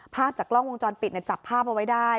ภาพจากกล้องวงจรปิดจับภาพเอาไว้ได้